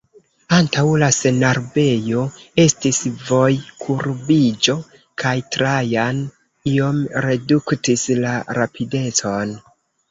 Antaŭ la senarbejo estis vojkurbiĝo kaj Trajan iom reduktis la rapidecon.